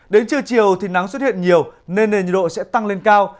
đến trưa chiều thì nắng xuất hiện nhiều nên nền nhiệt độ sẽ tăng lên cao